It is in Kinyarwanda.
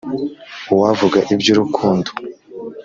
Uwavuga iby'urukundo